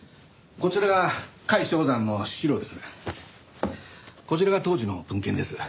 こちらが当時の文献です。